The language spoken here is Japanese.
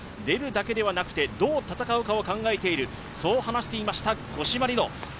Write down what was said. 出るだけではなくて、どう戦うかを考えている、そう話していました五島莉乃。